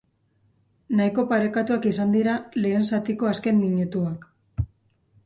Nahiko parekatuak izan dira lehen zatiko azken minutuak.